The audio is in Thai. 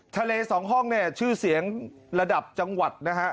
สองห้องเนี่ยชื่อเสียงระดับจังหวัดนะฮะ